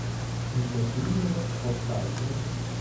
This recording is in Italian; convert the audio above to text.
Imbecille o scaltro?